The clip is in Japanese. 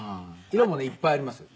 色もねいっぱいありますよ。